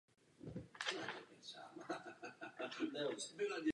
Nejprve obiloviny.